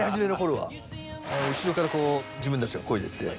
後ろからこう自分たちがこいでって。